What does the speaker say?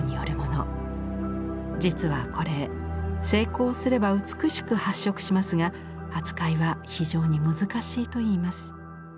実はこれ成功すれば美しく発色しますが扱いは非常に難しいといいます。